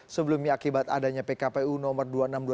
sebelumnya akibat adanya pkpu nomor dua puluh enam dua ribu dua